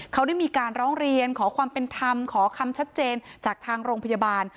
เขาได้มีการร้องเรียนขอความเป็นธรรมขอคำชัดเจนจากทางโรงพยาบาล